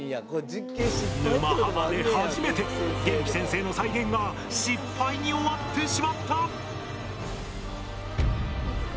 「沼ハマ」で初めて元気先生の再現が失敗に終わってしまった。